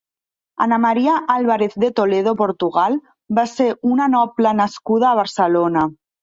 Ana María Álvarez de Toledo Portugal va ser una noble nascuda a Barcelona.